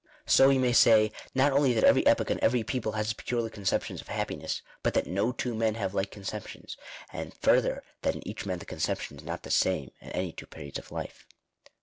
So we may say, not only that every epoch and every people has its peculiar conceptions of happiness, but that no two men have like conceptions; and further, that in each man the conception is not the same at any two periods of life.